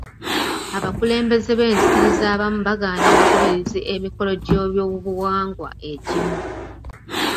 Abakulembeze b'enzikiriza abamu bagaana abagoberezi emikolo gy'obyobuwangwa egimu.